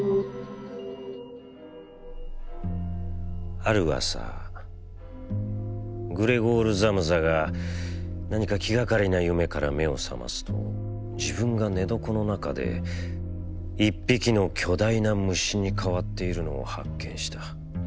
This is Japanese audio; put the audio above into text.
「ある朝、グレゴール・ザムザがなにか気がかりな夢から目をさますと、自分が寝床の中で一匹の巨大な虫に変わっているのを発見した。